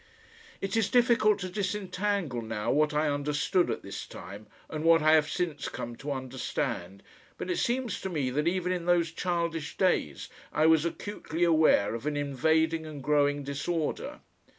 It is difficult to disentangle now what I understood at this time and what I have since come to understand, but it seems to me that even in those childish days I was acutely aware of an invading and growing disorder.